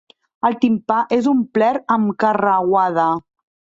El timpà és omplert amb carreuada.